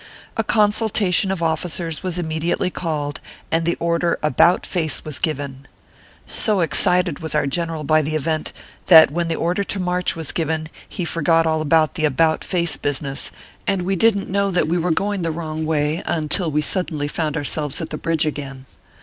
A consultation of officers was im mediately called, and the order "About face" was given. So excited was our general by the event, that when the order to march was given he forgot all about the " About face " business, and we didn t know that we were going the wrong way until we suddenly found ourselves at the bridge again.